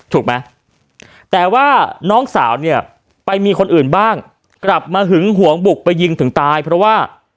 ถูกไหมแต่ว่าน้องสาวเนี่ยไปมีคนอื่นบ้างกลับมาหึงหวงบุกไปยิงถึงตายเพราะว่า